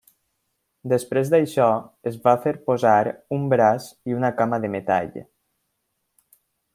Després d'això, es va fer posar un braç i una cama de metall.